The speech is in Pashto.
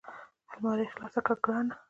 المارۍ خلاصه کړه ګرانه !